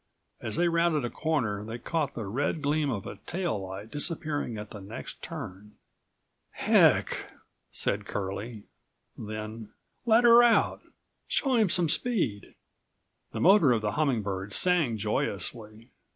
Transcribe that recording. As they rounded a corner, they caught the red gleam of a tail light disappearing at the next turn. "Heck!" said Curlie, then, "Let her out! Show him some speed." The motor of the Humming Bird sang joyously.